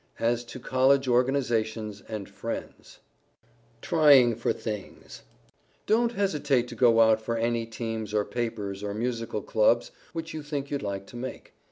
AS TO COLLEGE ORGANIZATIONS AND FRIENDS [Sidenote: TRYING FOR THINGS] DON'T hesitate to go out for any teams or papers or musical clubs which you think you'd like to make.